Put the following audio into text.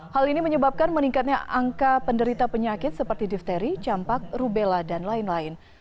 hal ini menyebabkan meningkatnya angka penderita penyakit seperti difteri campak rubella dan lain lain